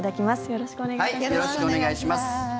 よろしくお願いします。